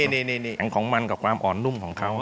นี่ของมันกับความอ่อนนุ่มของเขา